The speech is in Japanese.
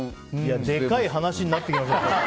でかい話になってきましたね。